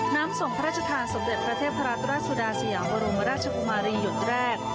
ส่งพระราชทานสมเด็จพระเทพรัตนราชสุดาสยามบรมราชกุมารีหยุดแรก